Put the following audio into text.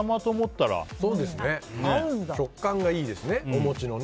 食感がいいですねお餅のね。